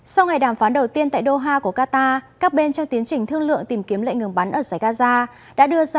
sau ngày đàm phán đầu tiên tại doha của qatar các bên trong tiến trình thương lượng tìm kiếm lệnh ngừng bắn ở giải gaza